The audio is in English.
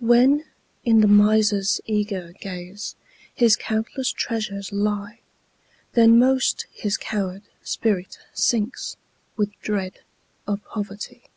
When, in the miser's eager gaze, His countless treasures lie, Then most his coward spirit sinks, With dread of poverty.